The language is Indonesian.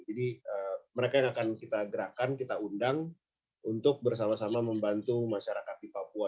jadi mereka yang akan kita gerakkan kita undang untuk bersama sama membantu masyarakat di papua